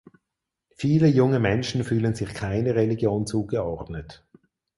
Viele junge Menschen fühlen sich keiner Religion zugeordnet.